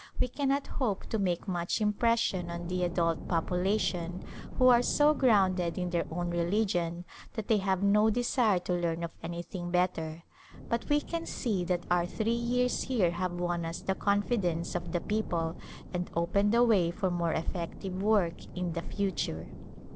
We cannot hope to make much im pression on the adult population who are so grounded in their own religion that they have no desire to learn of anything better, but we can see that our three years here have won us the confidence of the people and opened the way for more effective work in the future.